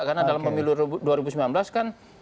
karena dalam pemilu dua ribu sembilan belas kan